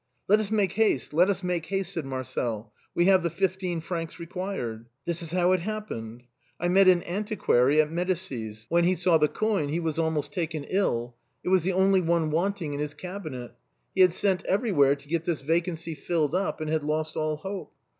"Let us make haste, let us make haste," said Marcel; " we have the fif een francs required. This is how it hap hened. I met an antiquary at Medicis'. When he saw the coin he was almost taken ill : it was the only one wanting in his cabinet. He had sent everywhere to get this vacancy filled up, and had lost all hope.